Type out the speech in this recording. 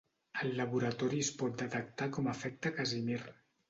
Al laboratori es pot detectar com a efecte Casimir.